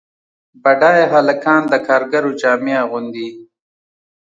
بډایه هلکان د کارګرو جامې اغوندي.